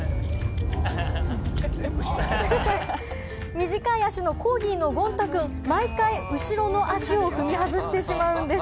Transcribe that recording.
短い足のコーギーのゴン太くん、毎回後ろの足を踏み外してしまうんです。